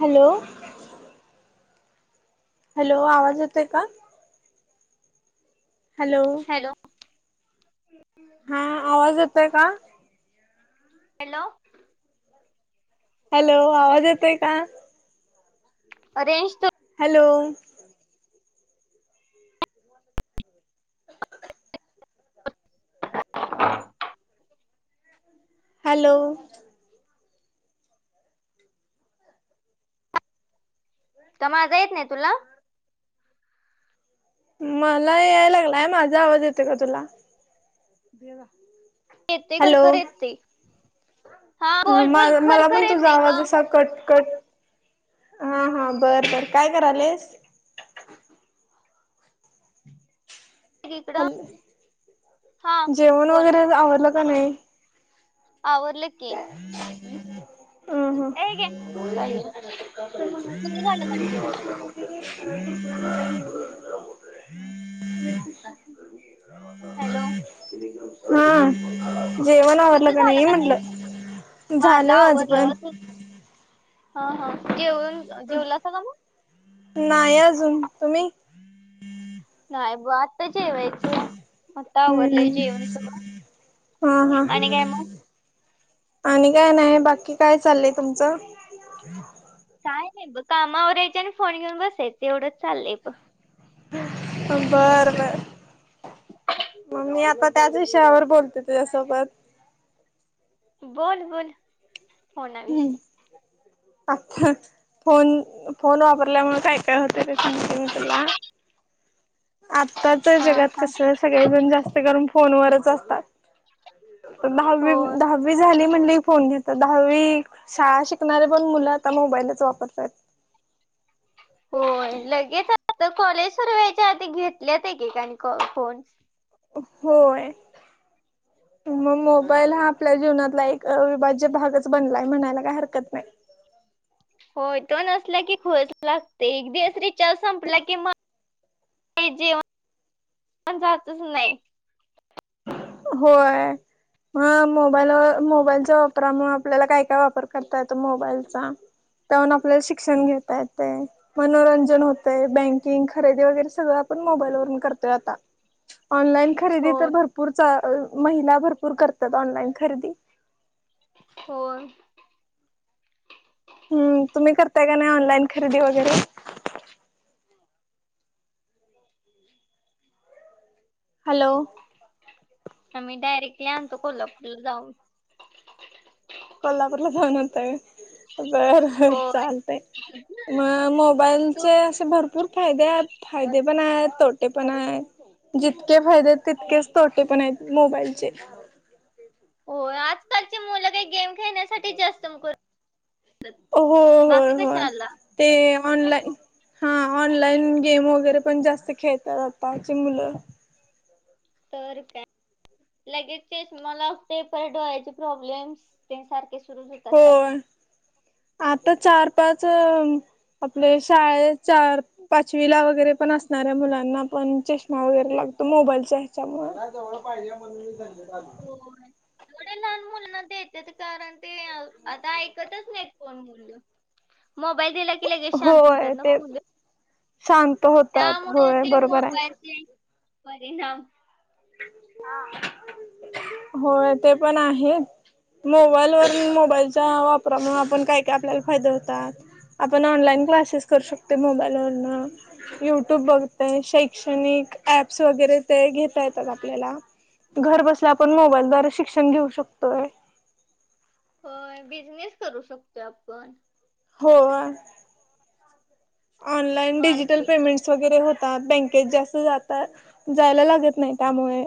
Hello! Hello! आवाज येतोय का? हॅलो! हा आवाज येतोय का? हॅलो! हॅलो! आवाज येतोय का? अ रेंज तु हॅलो! हॅलो! का माझा येत नाही तुला? मला याय लागलाय. माझा आवाज येतोय का तुला? येतोय भरपूर येतोय. ह माझ मला खरखर पण तुझा येते आवाज ग असा कट कट हा हा बरं बर, काय करालेस? इकडं हॅल, हा जेवण बोल वगैरे आवरलं का नाही? आवरलं की. ए गे हम तुझं झालं का नाही हम [unintelligible] [unintelligible] हॅलो! हा, जेवण आवरलं का नाही म्हंटलं? माझं आवरलं. त हा हा, जेवण जेवलासा का मग? नाही अजून तुम्ही नाही बा. आता जेवायचं, आता आवरलंय हम्म जेवण सगळं. हा हा, आणि काय मग आणि काय नाही बाकी काय चाललंय तुमचं? [unintelligible] काय नाही बघ, कामावर आवरायचे आणि फोन घेऊन बसायचं एवढंच चाललंय बघ. बर बर. मग मी आता त्याच विषयावर बोलते तुझ्यासोबत. बोल बोल. हम् फोनाविषयी आता फोन फोन वापरल्यामुळे काय काय होते ते सांगते मी तुला. आत्ताच हा जगात सांग कसं, सगळेजण जास्त करून फोनवरच असतात. दहावी, हो दहावी झाली म्हणली की फोन घेतात. दहावी शाळा शिकणारे पण मुलं आता मोबाईलच वापरता आहेत होय लगेच आता कॉलेजवर व्यायच्या आधी घेतल्यात एकेकाणी फोन होय मग मोबाईल हा आपल्या जीवनातला एक अविभाज्य भागच बनलाय म्हणायला काय हरकत नाही होय तो नसला की खुळच लागतेय, एक दिवस रिचार संपला की म का जेवण जातच नाही. होय. हा मोबाईल मोबाईलच्या वापरामुळे आपल्याला काय काय वापर करता येतो मोबाईलचा? त्याहून आपल्याला शिक्षण घेता येत मनोरंजन होतय बँकिंग खरेदी वगैरे सगळं न खरे होय भ महिला भरपूर करतात ऑनलाईन खरेदी हो ह्म तुम्ही करताय का नाही ऑनलाईन खरेदी वगैरे हॅलो आम्ही डायरेक्टली आणतो कोल्हापूर ला जाऊन कोल्हापूरला जाऊन होत बर होय चालते म म तू मोबाईलचे असे भरपूर फायदे आहेत फायदे पण आहेत तोटे पण आहेत जितके फायदे आहेत तितकेच तोटे पण आहेत मोबाईलचे हो आजकालचे मुलं काही गेम खेळण्यासाठी जास्त करू [unintelligible] हो हो बाकी होय कशाला ते ऑनलाईन हा ऑनलाईन गेम वगैरे पण जास्त खेळतात आताचे मुलं तर का लगेच ते मलाेपर डोळ्याचे प्रॉब्लेम्स ते सारखे सुरू होत मग. होय आता चार पाच आपले शाळे चार पाचवीला वगैरे पण असणाऱ्या मुलांना पण चष्मा वगैरे लागतो मोबाईलच्या ह्याच्यामुळे. पाहिजे म्हण मी सांग. हो थवडे लहान मुलाना देत. कार आता ऐकतचो मोईल. लगे शांत होतात होय ना ते फुलं. शांत होतात त्यामुळे होय ते बरोबर आहे. मोबाईलचे परिणाम. होय ते पण आहे. मोबाईल वून मोबाईलच्या वापरामुळे आपण काय काय आपल्याला फायदे होतात. आपण ऑनलाईन क्लासेस करू शकते मोबाईलवरन. युट्यूब बघते शैक्षणिक. अप्स वगैरे ते घेता येतात आपल्याला घर बसल्या आपण मोबाईलद्ारे शिकष. घेऊ शकतोय होय बिझनेस करू शकतो आपण. हो ऑनलान डिजिटल मार्केटिंग. पेमेंट् वगैरे हो. ता बँकेत जास्त जातात जायला लागत नाही त्यामुळे.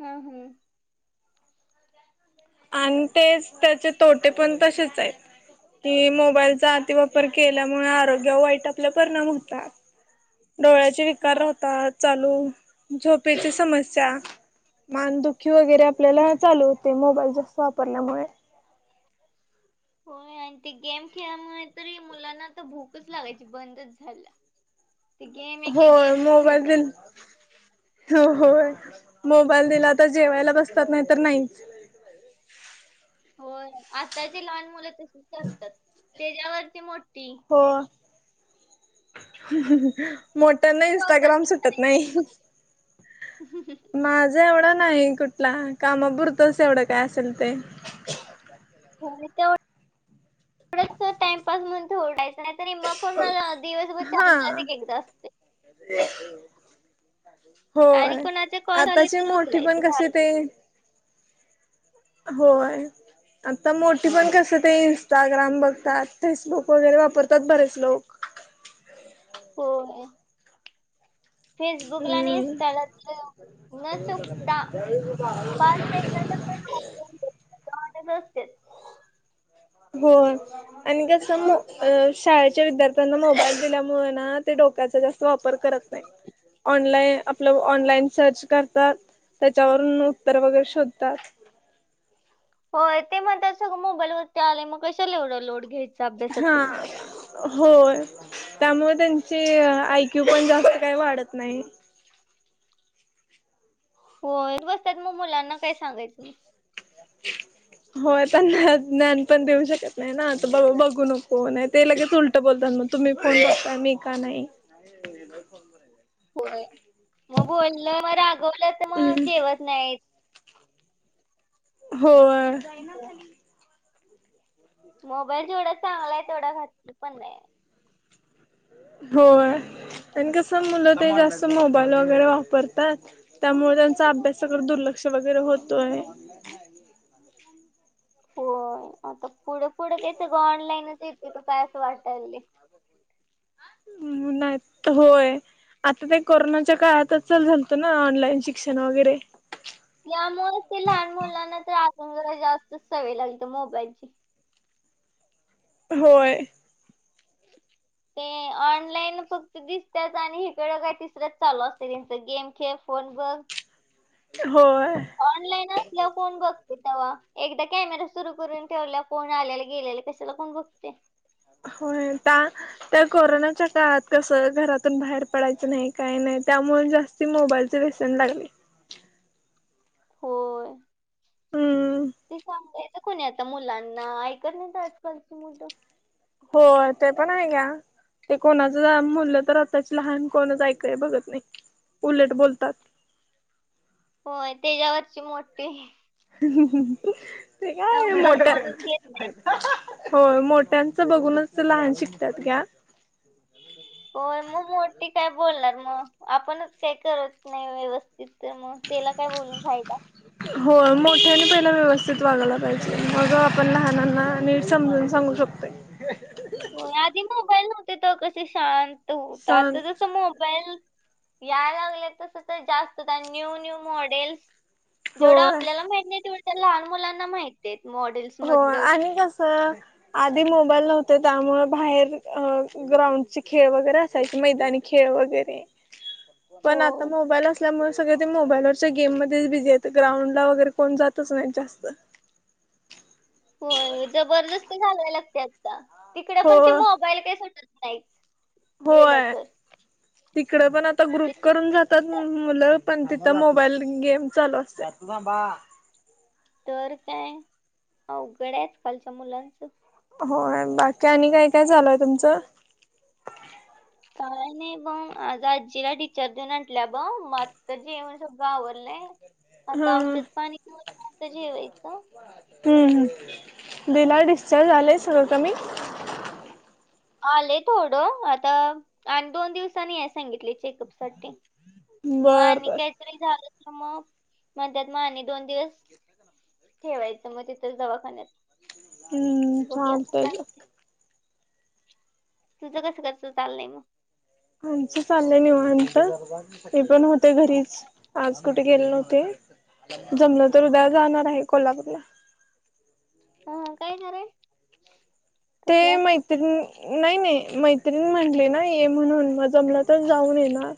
हम् हम्म आणि तेच त्याचे तोटे पण तसेच आहेत. कि मोबाईलचा अति वापर केल्यामुळे आरोग्या वाईट आपल्या परिणाम होतात डोळ्याचे विकार हो. होहता चालू झोपेची समस्या मानदुखी वगैरे आपल्याला चालू होते मोबाईल जास्त वापरल्यामुळे. होय आणि ते गेम खेळाल्यामुळे तरी मुलांना आता भूकच लागायची बंदच झालं हो खेळतात. मोबाईल हो होय मोबाईल दिला आता जेवायला बसतात नाही तर नाहीच होय आताची लहान मुलं तशी करतात त्याच्यावरती मोठी. हो मोठ्याना तू इंस्टाग्राम वापरतीस सुटत नाही. ह हं ह माझा एवढं नाही कुठला कामापुरतच एवढं काय असेल ते. हो तेड टाइमपास म्हणून डायचं नाहीतरी मग पण मला दिवसभर हा चांगलात एकदा असते [unintelligible] आणि होय कोणाचे कॉल आले आताची तर मोठीे पण उचलायचं कसे झालं. ते. हो आहे. आता मोठी पण कसं ते इंस्टाग्राम बघतात फेसबुक वगैरे वापरतात बरेच लोक. होय फेसबुकला आणि हम्म इंस्टाला [inaudible] न चुकता [unintelligible] होय आणि कसं मो अ शाळेच्या विद्यार्थ्यांना मोबाईल दिल्यामुळे ना ते डोक्याचा जास्त वापर करत नाही. ऑनलाईन आपलं ऑनलाईन सर्च करतात त्याच्यावरून उत्तर वगैरे शोधतात. होय ते म्हणत सगळं मोबाईल वरती आले मग कशाला एवढं लोड घ्याय हा. होय त्यामुळे त्यांची आयक्यू पण जास्त काही वाढत नाही. होय बसत्यात म मुलांना काय सांगायचं? ह होय त्यांना ज्ञान पण देऊ शकत नाही ना आता ब बघू नको ते लगेच उल टं बोलतात मग तुम्ही फोन बघताय मी का नाही. [unintelligible] होय मग बोललं मग रागवलं तर मग हम्म जेवत नाही. होय. होक मोबाईल जेवढा चांगला आहे तेवढा घातक पण आहे. होय आणि कसं मुलं ते जास्त मोबाईल वगैरे वापरतात त्यामुळे त्यांचा अभ्यासाकडे दुर्लक्ष वगैरे होतो आहे. होय आता पुढे पुढं काय सगळं ऑनलाईनच येते का काय असं वाटायले. नायेत होय. आता ते कोरोनाच्या काळात चालू झालतं ना ऑनलाईन शिक्षण वगैरे. यामुळे ते लहान मुलांना त्यातून जरा जास्त सवय लागते मोबाईलची. होय. ते ऑनलाईन फक्त दिसतच आणि इकडं काय तिसरंच चालू असते त्यांचं गेम खेळ, फोन बघ होय. ऑनलाईन असल्या फोन बघते तेव्हा एकदा कॅमेरा सुरू करून ठेवला फोन आल्याला गेलेला कशे चला कोण बघते. होय ता त्या कोरोनाच्या काळात कस घरातून बाहेर पडायचं नाही काही नाही त्यामुळे जास् ती मोबाईल व्यसन लागली. होय हम्म ते सांगयत ते कोणी आता मुलांना ऐकत नाहीत आजकालची मुलं. होय ते पण आहे ग. ते कोणाचं मुलं तर आताची लहान कोणचा ऐकय बघत नाही उलट बोलतात. होय त्याच्यावरची मोठी ते काय समजून कोणच घेत नाही मोठं हो मोठ्यांचं बघूनच ते लहान शिकतात घ्या. होय मग मोठी काय बोलणार मग आपणच काही करत नाही व्यवस्थित तीच तर मग तेला काय बोलून फायदा. हो मोठ्याने पहिला व्यवस्थित वागायला पाहिजे मग आपण लहानांना नीट समजून सांगू शकतोय होय आदी मोबाईल नव्हते तर कशे शांत होतात सांग जसं मोबाईल या लागल्यात तसं तर जास्त न्यू-न्यू मॉडेल्स जेवढं होय आपल्याला माहित नाही तेवढ्या त्या लहान मुलांना माहित आहेत मॉडेल्स हो मधलं आणि कसं आदी मोबाईल नव्हते त्यामुळे बाहेर अ ग्राउंडचे खेळ वगैरे असायचे मैदानी खेळ वगैरे हो पण आता मोबाईल अस त्यालमुळे सगळे ते मोबाईलवरच्या गेममध्येच बिझी येतं ग्राउंडला वगैरे कोण जातच नाहीत जास्त. होय जबरदस्ती घालवायला लागते आता तिकडे हो पण ते मोबाईल काही सुटत नाहीच. गेलं होय तर तिकड पण आता ग्रुप ते करून चिमटी जात तर मुलं पण तिथं मोबाईल गेम चालू असते तर काय अवघडाय आज कालच्या मुलांचं. होय बाकी आणि काय काय झालय तुमचं? काय नाही ब आज आजीला डीचार्ज देऊन आणटल्या ब म तर जेवण सगळं आवरलंय. हा आता ह औषध पाणीत [unintelligible] जेवायचं. हम्म दिला डिस्चार्ज आलंय सगळं कमी. आले थोडं आता आणि दोन दिवसांनी आहे सांगितले चेकअप साठी. मग बर आणि बर काहीतरी झालं ना मग म्हणतत मग आणि दोन दिवस ठेवायचं मग तिथं दवाखान्यात हम्म बघूया काय चालतय होतंय. तुझं कसं कसं चाललंय मग. आमच चाललंय निवांत मी पण होते हा, घरीच आज कुठ गेले नव्हते जमलं तर उद्या जाणार आहे कोल्हापूरला. ह काय खर आहे ते मैत्रीिणी नाही नाही मैत्रीिण म्हटले ना ये म्हणून मग जमला तर जाऊन ये ना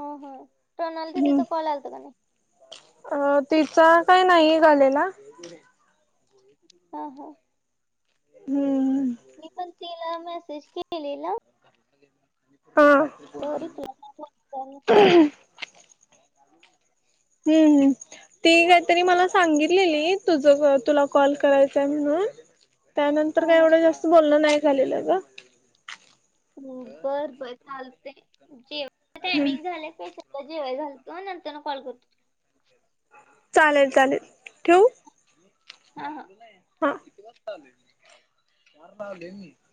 ह ह प्रणाल दीदी हम्म चा कॉल आलत का नाही? अ तिचा काय नाही झालेला. हा हा. हम्म. मी पण तिला मेसेज केलेला. हा तर रिप्लाय [unintelligible] ह [unintelligible] हम्म. ती काहीतरी मला सांगितलेली तुझ तुला कॉल करायचाय म्हणून त्यानंतर काय एवढं जास्त बोलणं नाही झालेलं ग. हम्म बर बर चालतंय, जेव हम्म टायमिंग झालं प जेवायला घालतो, नंतर न कॉल करतो चालेल, चालेल ठेऊ. हा हा हा [unintelligible]